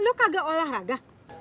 lu kagak olahraga